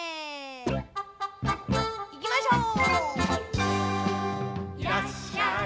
いきましょう！